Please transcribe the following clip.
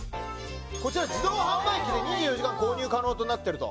こちら自動販売機で２４時間購入可能となってると。